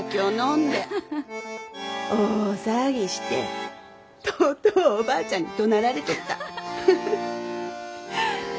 大騒ぎしてとうとうおばあちゃんにどなられとった。